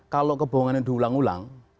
kalau kebohongan yang diulang ulang